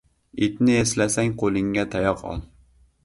• Itni eslasang qo‘lingga tayoq ol.